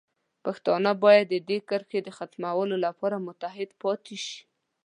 پښتانه باید د دې کرښې د ختمولو لپاره متحد پاتې شي.